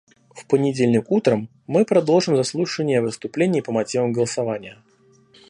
В понедельник утром мы продолжим заслушание выступлений по мотивам голосования.